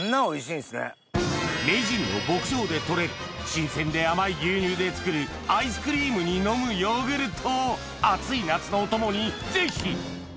名人の牧場で取れる新鮮で甘い牛乳で作るアイスクリームに飲むヨーグルト暑い夏のお供にぜひ！